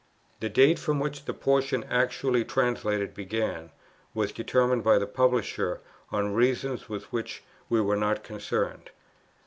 The date, from which the portion actually translated began, was determined by the Publisher on reasons with which we were not concerned.